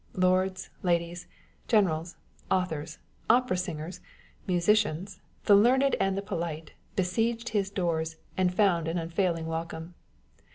Lords, ladies, generals, authors, opera singers, musicians, the learned and the polite, besieged his doors,' and found an unfailing welcome.